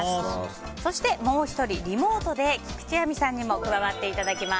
そしてもう１人リモートで菊地亜美さんにも加わっていただきます。